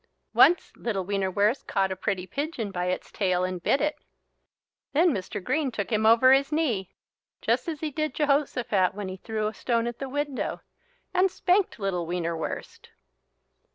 Once little Wienerwurst caught a pretty pigeon by its tail and bit it. Then Mr. Green took him over his knee, just as he did Jehosophat when he threw a stone at the window, and spanked little Wienerwurst.